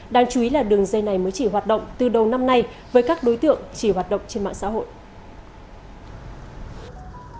đáng chú ý là đường dây này mới chỉ hoạt động từ đầu năm nay với các đối tượng chỉ hoạt động trên mạng xã hội